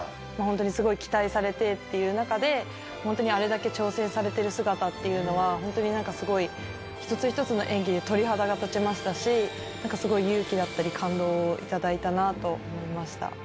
本当にすごい期待されてっていう中で、本当にあれだけ挑戦されてる姿っていうのは、本当になんかすごい一つ一つの演技に鳥肌が立ちましたし、なんかすごい勇気だったり、感動を頂いたなと思いました。